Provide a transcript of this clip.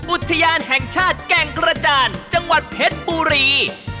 อุทยานแห่งชาติแก่งกระจานจังหวัดเพชรบุรี